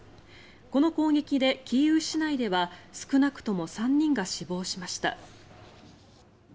この攻撃でキーウ市内では少なくとも３人が死亡しました。